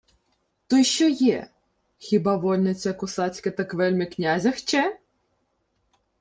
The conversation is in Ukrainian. — То й що є? Хіба вольниця косацька так вельми князя хче?